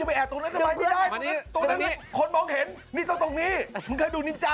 ฮ่าฮ่าฮ่า